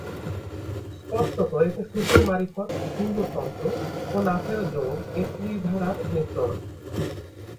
স্পষ্টত এতে সুফির মারিফত, হিন্দুর তন্ত্র ও নাথের যোগ এ ত্রিধারার মিশ্রণ আছে।